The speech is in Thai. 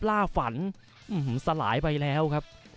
ล่าฝันสลายไปแล้วครับ